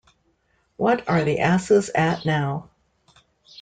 What are the asses at now?